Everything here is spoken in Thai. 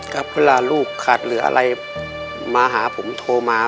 เวลาลูกขาดเหลืออะไรมาหาผมโทรมา